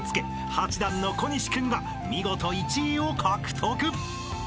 ８段の小西君が見事１位を獲得］